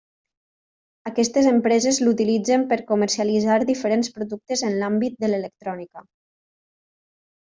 Aquestes empreses l'utilitzen per comercialitzar diferents productes en l'àmbit de l'electrònica.